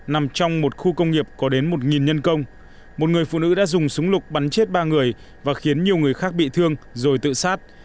nằm trong một khu công nghiệp có đến một nhân công một người phụ nữ đã dùng súng lục bắn chết ba người và khiến nhiều người khác bị thương rồi tự sát